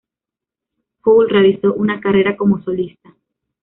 Poole realizó una carrera como solista.